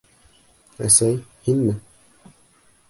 — Әсәй, һинме?